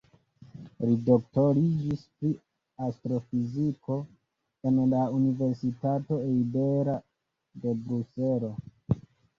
Li doktoriĝis pri astrofiziko en la Universitato Libera de Bruselo.